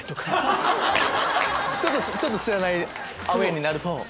ちょっと知らないアウェーになると。